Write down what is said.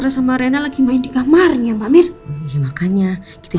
jangan maju lagi ya nak